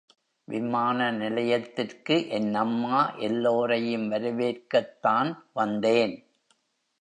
விமான நிலையத்திற்கு என் அம்மா எல்லோரையும் வரவேற்கத்தான் வந்தேன்.